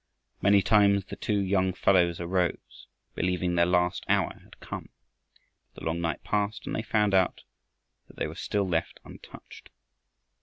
Many times the two young fellows arose, believing their last hour had come. But the long night passed and they found that they were still left untouched.